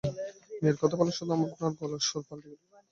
মেয়ের কথা বলার সময় আপনার গলার স্বর পাল্টে গেল, তা থেকেই আন্দাজ করছি।